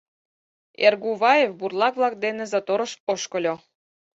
Эргуваев бурлак-влак дене заторыш ошкыльо.